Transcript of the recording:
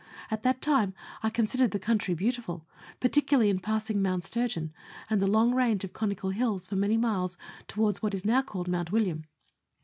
At that time I considered the country beautiful, particularly in passing Mount Sturgeon and the long range of conical hills for many miles towards what is now called Mount William.